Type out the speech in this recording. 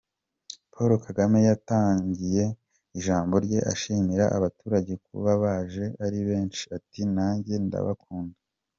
Paul Kagame yatangiye ijambo rye ashimira abaturage kuba baje ari benshi, ati "Nanjye ndabakunda".